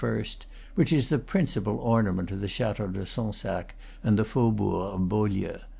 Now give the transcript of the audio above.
which is the principal ornament of the Chateau de Sansac and the faubourg of Beaulieu.